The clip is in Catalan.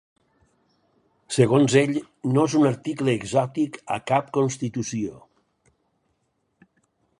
Segons ell, ‘no és un article exòtic a cap constitució’.